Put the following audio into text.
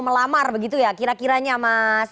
melamar begitu ya kira kiranya mas